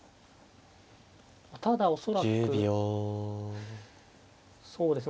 ただ恐らくそうですね